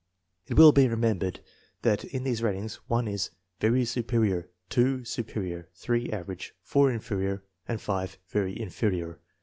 It will be remembered that in these ratings 1 is "very su perior," "superior," 3 "average," 4 "inferior," and 5 "very inferior."